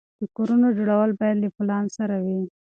د کورونو جوړول باید له پلان سره وي.